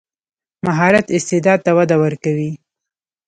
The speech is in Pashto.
مهارت استعداد ته وده ورکوي.